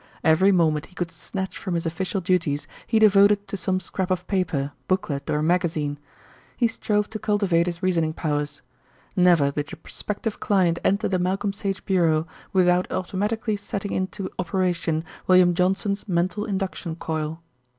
Every moment he could snatch from his official duties he devoted to some scrap of paper, booklet, or magazine. He strove to cultivate his reasoning powers. Never did a prospective client enter the Malcolm Sage Bureau without automatically setting into operation William Johnson's mental induction coil.